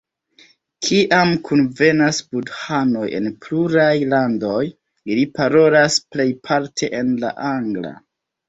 Kiam kunvenas budhanoj el pluraj landoj, ili parolas plejparte en la angla.